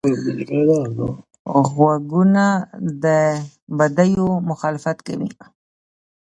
غوږونه د بدیو مخالفت کوي